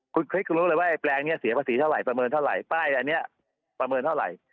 คุณคลิกรู้เลยว่าไอแปลงนี้เสียภาษีเท่าไหร่ประเมินเท่าไหร่ป้ายอันนี้ประเมินเท่าไหร่